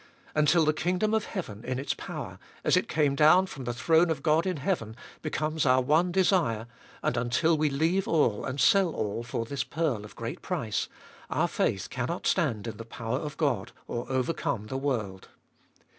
Until the kingdom of heaven in its power, as it came down from the throne of God in heaven, becomes our one desire, and until we leave all and sell all for this pearl of great price, our faith cannot stand in the power of God, or overcome the world.